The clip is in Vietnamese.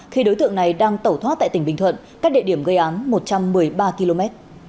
khi đối tượng này đang tẩu thoát tại tỉnh bình thuận các địa điểm gây án một trăm một mươi ba km